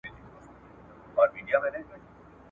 ور اغوستي یې په پښو کي وه زنګونه ..